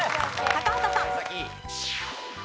高畑さん。